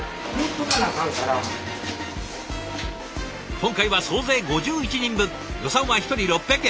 今回は総勢５１人分予算は１人６００円。